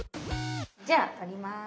じゃあ取ります。